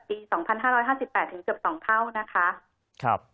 ปี๒๕๕๘ถึงเกือบ๒เท่านะคะ